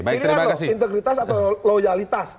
baik terima kasih integritas atau loyalitas